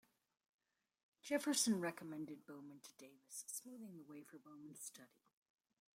Jefferson recommended Bowman to Davis, smoothing the way for Bowman's study.